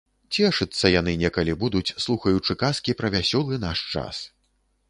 Цешыцца яны некалі будуць, слухаючы казкі пра вясёлы наш час.